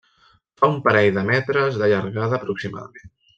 Fa un parell de metres de llargada aproximadament.